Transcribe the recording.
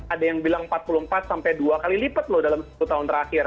ada yang bilang empat puluh empat sampai dua kali lipat loh dalam sepuluh tahun terakhir